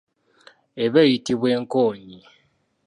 Eba eyitibwa enkoonyi.